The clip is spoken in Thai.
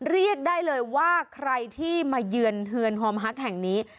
เรียกได้เลยว่าใครที่มาเยือนเทือนฮอมฮักแห่งนี้